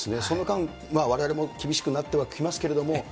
その間、われわれも厳しくはなってはきますけれども。